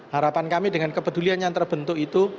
harapan kami dengan kepedulian yang terbentuk itu